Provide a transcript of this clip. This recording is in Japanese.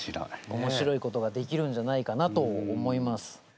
おもしろいことができるんじゃないかなと思います。